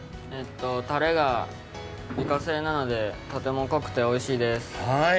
たれが自家製なのでとても濃くておいしいです。